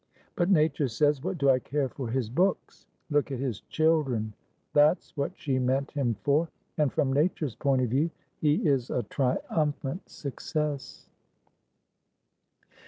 But nature says 'What do I care for his books?' 'Look at his children!' That's what she meant him for, and from Nature's point of view he is a triumphant success."